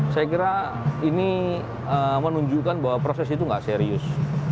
saya kira ini menunjukkan bahwa proses itu tidak serius